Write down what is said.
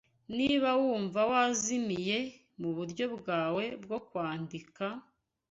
Niba wumva wazimiye muburyo bwawe bwo kwandika,